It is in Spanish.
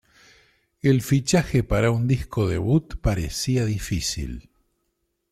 El fichaje para un disco debut parecía difícil.